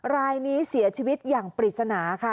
รายนี้เสียชีวิตอย่างปริศนาค่ะ